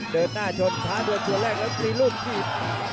เดินหน้าชนท้าตัวแรกและทีลูกผิด